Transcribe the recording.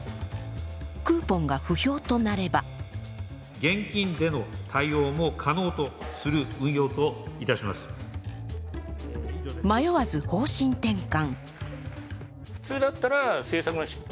クーポンが不評となれば迷わず方針転換。